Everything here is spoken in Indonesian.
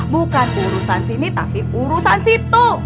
bukan urusan sini tapi urusan situ